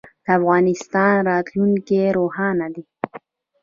د افغانستان راتلونکی روښانه دی.